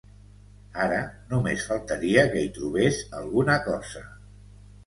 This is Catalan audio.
Ara només faltaria que hi trobés alguna cosa.